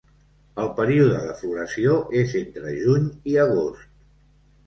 El període de floració és entre juny i agost.